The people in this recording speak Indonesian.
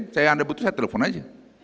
saya yang ada keputusan saya telepon aja